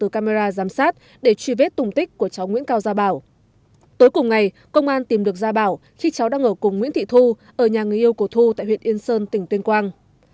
khi cháu đang ở cùng nguyễn thị thu ở nhà người yêu của thu tại huyện yên sơn tỉnh tuyên quang